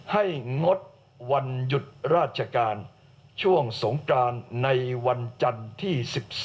ให้งดวันหยุดราชการช่วงสงตราณในวันจันที่๑๓